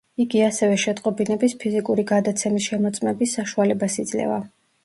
იგი ასევე შეტყობინების ფიზიკური გადაცემის შემოწმების საშუალებას იძლევა.